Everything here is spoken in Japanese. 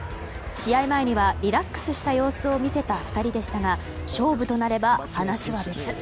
試合前にはリラックスした様子を見せた２人でしたが勝負となれば話は別。